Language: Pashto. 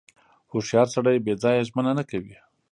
• هوښیار سړی بې ځایه ژمنه نه کوي.